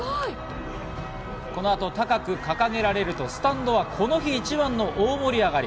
この後高く掲げられるとスタンドはこの日一番の大盛り上がり。